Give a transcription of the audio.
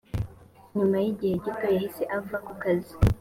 nyuma y’igihe gito yahise ava ku kazi